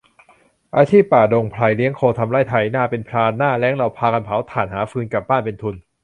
อาชีพป่าดงพงไพร เลี้ยงโคทำไร่ ไถนาเป็นพราน หน้าแล้งเราพากันเผาถ่าน หาฟืนกลับบ้านเป็นทุน